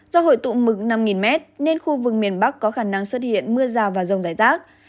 do hội tụ mực năm m nên khu vực miền bắc có khả năng xuất hiện mưa rào và rông rải rác